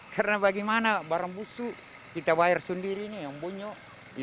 karena bagaimana barang busuk kita bayar sendiri nih yang bunyok